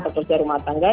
pekerja rumah tangga